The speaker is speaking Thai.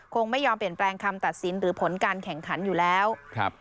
คงไม่ยอมเปลี่ยนแปลงคำตัดสินหรือผลการแข่งขันอยู่แล้วครับ